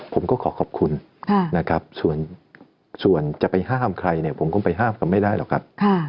ผมก็ขอขอบคุณส่วนจะไปห้ามใครผมก็ไปห้ามไม่ได้หรอกครับ